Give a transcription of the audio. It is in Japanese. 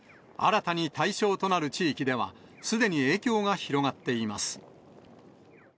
新たに対象となる地域では、すでに影響が広がっています。